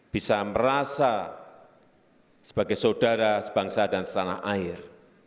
bisa merasa sebagai saudara sebangsa dan setanah air